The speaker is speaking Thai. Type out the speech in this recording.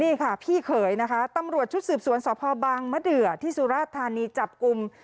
นี่ค่ะพี่เขยนะคะตำรวจชุดสืบสวนสพบางมะเดือที่สุราชธานีจับกลุ่ม